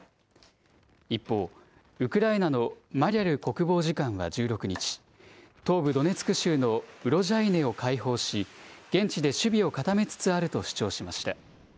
一方、ウクライナのマリャル国防次官は１６日、東部ドネツク州のウロジャイネを解放し、現地で守備を固めつつあると主張しました。